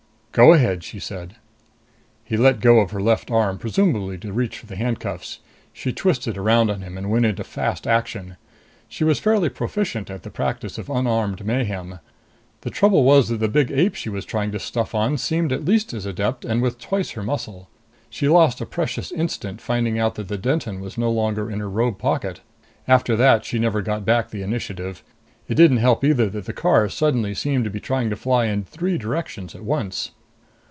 "Go ahead," she said. He let go of her left arm, presumably to reach for the handcuffs. She twisted around on him and went into fast action. She was fairly proficient at the practice of unarmed mayhem. The trouble was that the big ape she was trying the stuff on seemed at least as adept and with twice her muscle. She lost a precious instant finding out that the Denton was no longer in her robe pocket. After that she never got back the initiative. It didn't help either that the car suddenly seemed to be trying to fly in three directions at once.